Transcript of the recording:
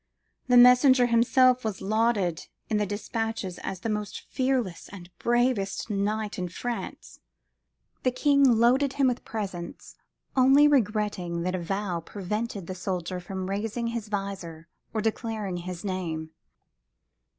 The messenger himself was lauded in the despatches as the most fearless and bravest knight in France. The king loaded him with presents, only regretting that a vow prevented the soldier from raising his visor or declaring his name.